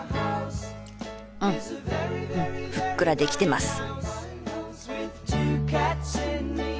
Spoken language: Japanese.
うんうんふっくらできてます。